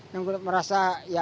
yang merasa ya